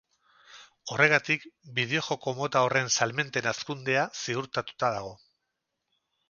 Horregatik, bideo-joko mota horren salmenten hazkundea ziurtatuta dago.